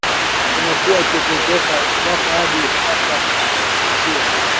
imekuwa ikiongezeka mwaka hadi mwaka nchini